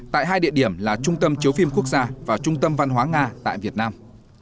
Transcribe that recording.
tại hai địa điểm là trung tâm chiếu phim quốc gia và trung tâm văn hóa nga tại việt nam